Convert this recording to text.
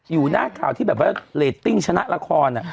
อยู่หน้าข่าวที่แบบว่าเรตติ้งชนะละคร